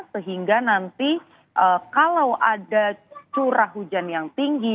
sehingga nanti kalau ada curah hujan yang tinggi